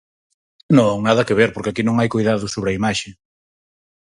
Non, nada que ver, porque aquí non hai coidado sobre a imaxe.